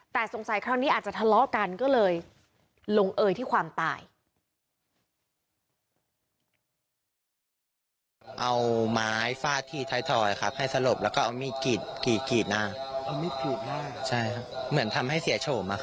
แต่สงสัยคราวนี้อาจจะทะเลาะกันก็เลย